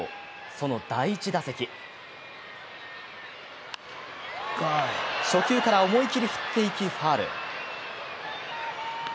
その第１打席初球から思い切り振っていき、ファウル。